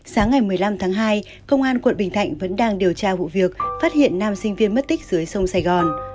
sáng ngày một mươi năm tháng hai công an tp hcm vẫn đang điều tra vụ việc phát hiện nam sinh viên mất tích dưới sông sài gòn